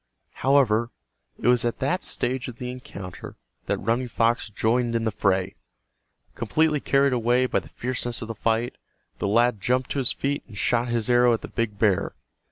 However, it was at that stage of the encounter that Running Fox joined in the fray. Completely carried away by the fierceness of the fight, the lad jumped to his feet and shot his arrow at the big bear.